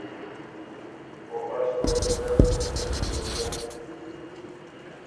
او از تُو ا دُوګډ اُن هېندی بُک يېن